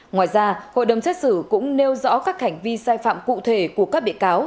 ngoài ra hội đồng xét xử cũng nêu rõ các hành vi sai phạm cụ thể của các bị cáo